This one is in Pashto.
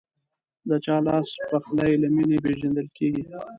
د چا لاسپخلی له مینې پیژندل کېږي.